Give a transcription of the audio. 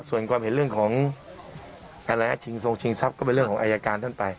ส่วนความเห็นเรื่องของอะไรฮะชิงทรงชิงทรัพย์ก็เป็นเรื่องของอายการท่านไป